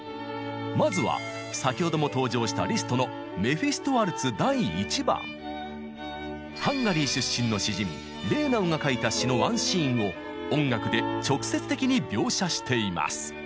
まずは先ほども登場したリストのハンガリー出身の詩人レーナウが書いた詩のワンシーンを音楽で直接的に描写しています。